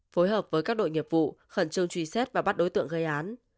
phối hợp với các đội nghiệp vụ khẩn trương truy xét và bắt đối tượng gây án